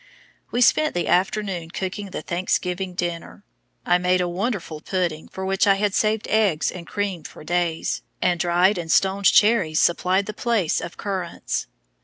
We spent the afternoon cooking the Thanksgiving dinner. I made a wonderful pudding, for which I had saved eggs and cream for days, and dried and stoned cherries supplied the place of currants.